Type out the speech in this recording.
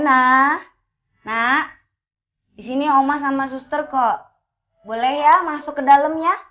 rena nak disini oma sama suster kok boleh ya masuk ke dalem ya